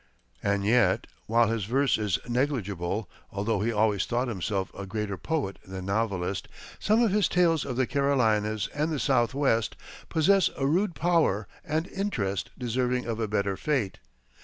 And yet, while his verse is negligible although he always thought himself a greater poet than novelist some of his tales of the Carolinas and the Southwest possess a rude power and interest deserving of a better fate.